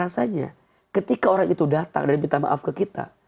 rasanya ketika orang itu datang dan minta maaf ke kita